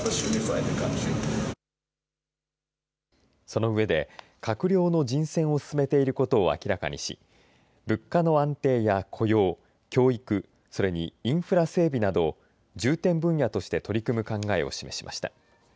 その上で閣僚の人選を進めていることを明らかにし物価の安定や雇用、教育それにインフラ整備など重点分野として取り組む考えを示しました。